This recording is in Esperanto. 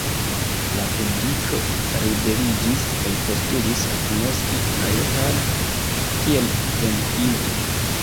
La publiko ribeliĝis kaj postulis agnoski na Johann kiel venkinto.